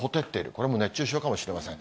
これも熱中症かもしれません。